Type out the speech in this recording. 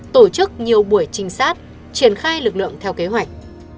tổ chức nhiều buổi trinh sát triển khai lực lượng theo kế hoạch